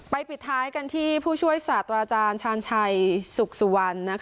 ปิดท้ายกันที่ผู้ช่วยศาสตราอาจารย์ชาญชัยสุขสุวรรณ